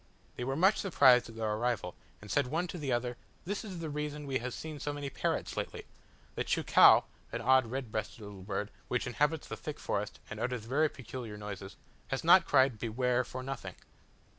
They were much surprised at our arrival, and said one to the other, "This is the reason we have seen so many parrots lately; the cheucau (an odd red breasted little bird, which inhabits the thick forest, and utters very peculiar noises) has not cried 'beware' for nothing."